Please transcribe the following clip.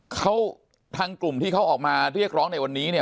เขาทางกลุ่มที่เขาออกมาเรียกร้องในวันนี้เนี่ย